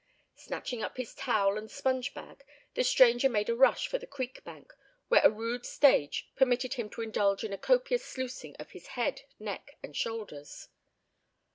Snatching up his towel and sponge bag, the stranger made a rush for the creek bank, where a rude stage permitted him to indulge in a copious sluicing of his head, neck and shoulders.